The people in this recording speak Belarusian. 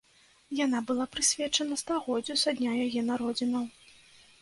Яна была прысвечана стагоддзю са дня яе народзінаў.